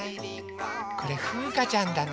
これふうかちゃんだね。